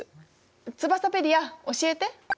ツバサペディア教えて。